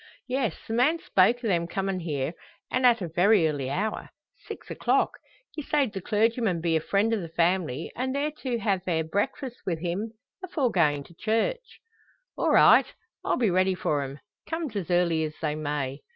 "Yes; the man spoke o' them comin' here, an' at a very early hour. Six o'clock. He sayed the clergyman be a friend o' the family, and they're to ha' their breakfasts wi' him, afore goin' to church." "All right! I'll be ready for 'em, come's as early as they may."